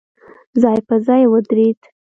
ځای په ځای ودرېد.